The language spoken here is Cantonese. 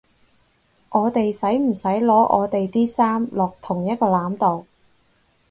我哋使唔使擺我地啲衫落同一個籃度？